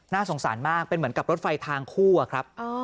สงสารมากเป็นเหมือนกับรถไฟทางคู่อะครับ